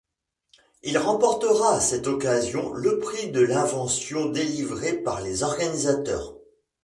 Il remportera à cette occasion le prix de l'invention délivré par les organisateurs.